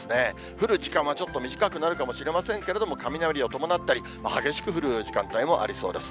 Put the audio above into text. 降る時間はちょっと短くなるかもしれませんけれども、雷を伴ったり、激しく降る時間帯もありそうです。